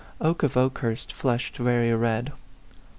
Oke of Okehurst flushed very red.